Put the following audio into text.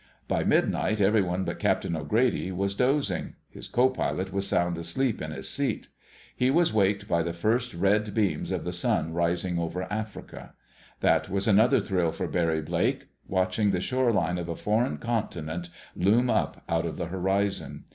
By midnight everyone but Captain O'Grady was dozing. His co pilot was sound asleep in his seat. He was waked by the first red beams of the sun rising over Africa. That was another thrill for Barry Blake—watching the shoreline of a foreign continent loom up out of the horizon.